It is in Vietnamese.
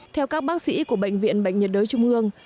theo các bác sĩ của bệnh viện bệnh nhiệt đới trung ương